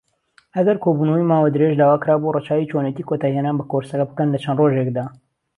ئەگەر کۆبوونەوەی ماوە درێژ داواکرابوو، ڕەچاوی چۆنێتی کۆتایهێنان بە کۆرسەکە بکەن لەچەند ڕۆژێکدا.